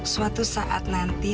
suatu saat nanti